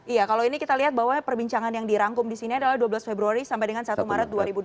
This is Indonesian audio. iya kalau ini kita lihat bahwa perbincangan yang dirangkum di sini adalah dua belas februari sampai dengan satu maret dua ribu dua puluh